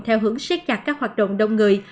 theo hướng xét chặt các hoạt động đông người